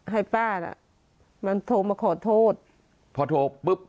ให้ป้าน่ะมันโทรมาขอโทษพอโทรปุ๊บ